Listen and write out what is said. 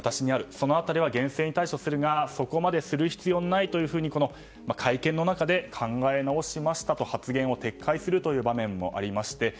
その辺りは厳正に対処するがそこまでする必要がないと会見の中で考え直しましたと発言を撤回する場面もありまして